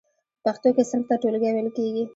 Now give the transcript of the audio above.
په پښتو کې صنف ته ټولګی ویل کیږی.